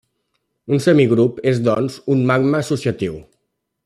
Un semigrup és doncs, un magma associatiu.